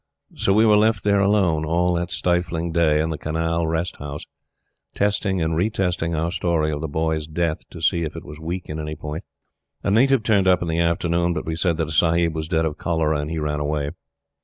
So, we were left there alone, all that stifling day, in the Canal Rest House, testing and re testing our story of The Boy's death to see if it was weak at any point. A native turned up in the afternoon, but we said that a Sahib was dead of cholera, and he ran away.